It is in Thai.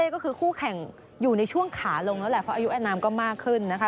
ก็คือคู่แข่งอยู่ในช่วงขาลงแล้วแหละเพราะอายุอนามก็มากขึ้นนะคะ